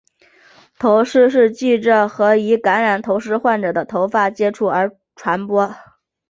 头虱是藉着和已感染头虱患者的头发直接接触而传播。